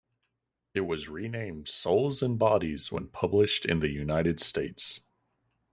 It was renamed Souls and Bodies when published in the United States.